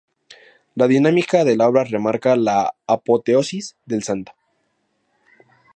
La dinámica de la obra remarca la apoteosis del santo.